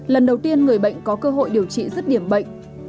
lần đầu tiên người bệnh có cơ hội điều trị rất điểm bệnh